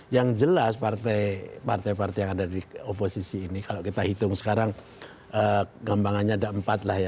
yang jelas partai partai yang ada di oposisi ini kalau kita hitung sekarang gampangannya ada empat lah ya